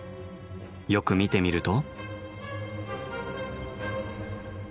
よく見てみると。